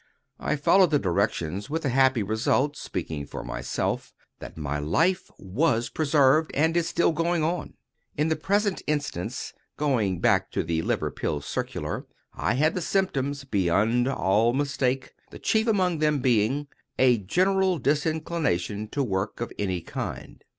I followed the directions, with the happy result—speaking for myself—that my life was preserved, and is still going on. In the present instance, going back to the liver pill circular, I had the symptoms, beyond all mistake, the chief among them being "a general disinclination to work of any kind."